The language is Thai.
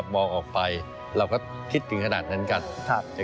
มองออกไปเราก็คิดถึงขนาดนั้นกัน